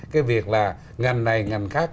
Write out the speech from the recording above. cái việc là ngành này ngành khác